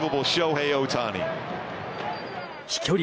飛距離